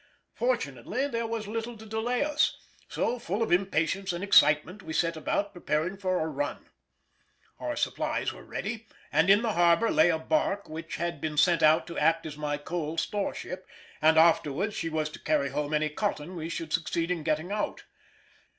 Fortunately there was little to delay us, so, full of impatience and excitement, we set about preparing for a run. Our supplies were ready, and in the harbour lay a barque which had been sent out to act as my coal store ship, and afterwards she was to carry home any cotton we should succeed in getting out.